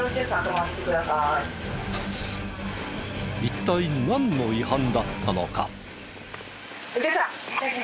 一体なんの違反だったのか？